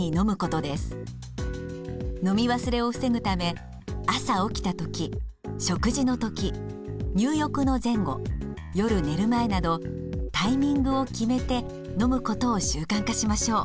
飲み忘れを防ぐため朝起きた時食事の時入浴の前後夜寝る前などタイミングを決めて飲むことを習慣化しましょう。